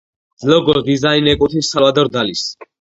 ლოგოს დიზაინი ეკუთვნის სალვადორ დალის.